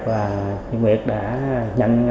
và chị nguyệt đã nhận